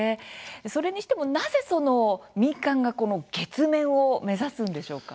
それにしても、なぜその民間がこの月面を目指すんでしょうか。